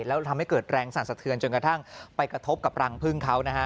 แล้วทำให้เกิดแรงสั่นสะเทือนจนกระทั่งไปกระทบกับรังพึ่งเขานะฮะ